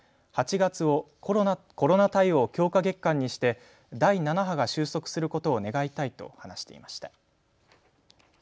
８月をコロナ対応強化月間にして第７波が収束することを願いたいと話していました。